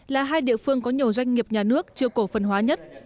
là hai địa phương có nhiều doanh nghiệp nhà nước chưa cổ phần hóa nhất